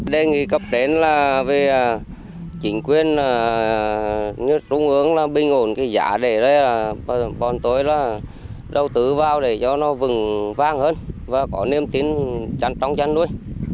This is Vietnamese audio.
đề nghị cập đến là về chính quyền như trung ứng là bình ổn cái giá để bọn tôi là đầu tử vào để cho nó vững vang hơn và có niềm tin trong chăn nuôi